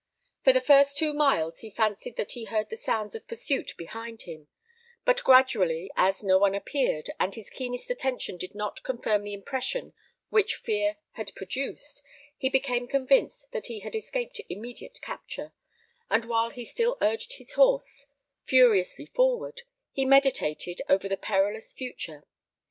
For the first two miles he fancied that he heard the sounds of pursuit behind him; but gradually, as no one appeared, and his keenest attention did not confirm the impressions which fear had produced, he became convinced that he had escaped immediate capture; and while he still urged his horse furiously forward, he meditated over the perilous future.